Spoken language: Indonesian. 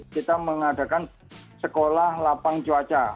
kita mengadakan sekolah lapang cuaca